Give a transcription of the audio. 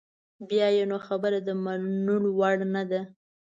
بیا یې نو خبره د منلو وړ نده.